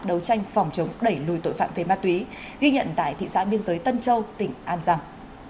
đấu tranh phòng chống đẩy lùi tội phạm về ma túy ghi nhận tại thị xã biên giới tân châu tỉnh an giang